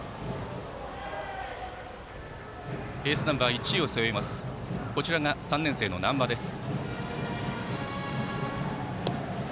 エースナンバー１を背負うのが３年生の難波です。